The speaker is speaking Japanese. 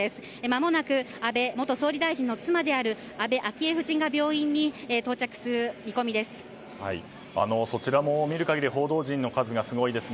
まもなく安倍元総理大臣の妻である安倍昭恵夫人が病院に到着する見込みです。